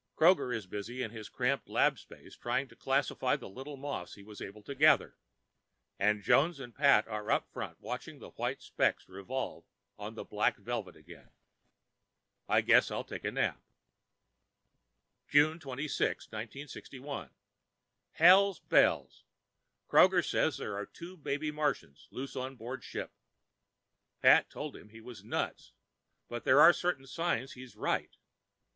Kroger is busy in his cramped lab space trying to classify the little moss he was able to gather, and Jones and Pat are up front watching the white specks revolve on that black velvet again. Guess I'll take a nap. June 26, 1961 Hell's bells. Kroger says there are two baby Martians loose on board ship. Pat told him he was nuts, but there are certain signs he's right.